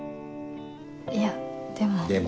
いやでも。